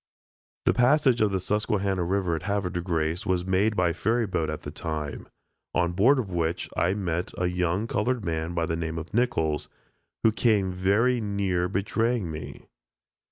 The passage of the Susquehanna river at Havre de Grace was made by ferry boat at that time, on board of which I met a young colored man by the name of Nichols, who came very near betraying me.